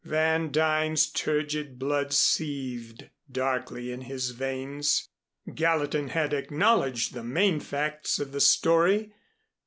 Van Duyn's turgid blood seethed darkly in his veins. Gallatin had acknowledged the main facts of the story.